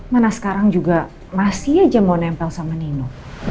mana sekarang juga masih aja mau nempel sama nino